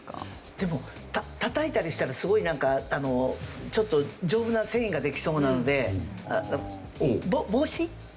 でもたたいたりしたらすごい丈夫な繊維ができそうなので帽子？